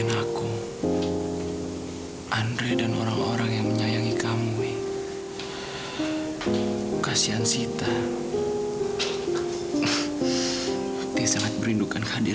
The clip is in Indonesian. kamu harus cepat sadar